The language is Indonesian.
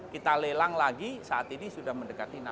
kita lelang lagi saat ini sudah mendekati enam saint